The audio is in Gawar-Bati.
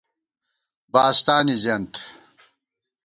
باستانی زِیَنت